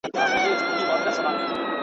شپه ده د بوډیو په سینګار اعتبار مه کوه.